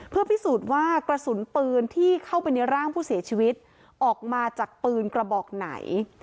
เพื่อพิสูจน์ว่ากระสุนปืนที่เข้าไปในร่างผู้เสียชีวิตออกมาจากปืนกระบอกไหน